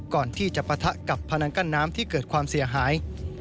ปะทะกับพนังกั้นน้ำที่เกิดความเสียหาย